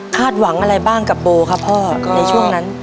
หวังอะไรบ้างกับโบครับพ่อในช่วงนั้น